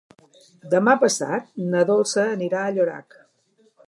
Demà passat na Dolça anirà a Llorac.